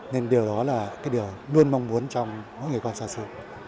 nên điều đó là cái điều luôn mong muốn trong mỗi người con xa xứ